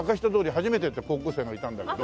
初めてって高校生がいたんだけど。